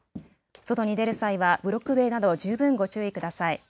外に出る際はブロック塀など十分ご注意ください。